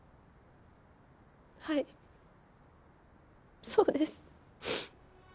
はいそうです。